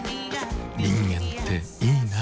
人間っていいナ。